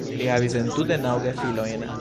Ili havis entute naŭ gefilojn.